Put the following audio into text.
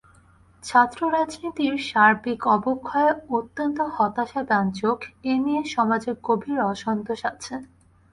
ছাত্ররাজনীতির সার্বিক অবক্ষয় অত্যন্ত হতাশাব্যঞ্জক; এ নিয়ে সমাজে গভীর অসন্তোষ আছে।